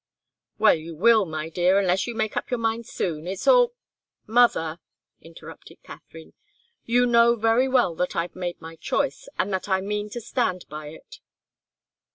"Well, you will, my dear, unless you make up your mind soon. It's all " "Mother," interrupted Katharine, "you know very well that I've made my choice, and that I mean to stand by it."